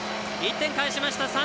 １点返しました